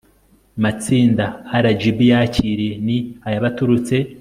matsinda rgb yakiriye ni ay abaturutse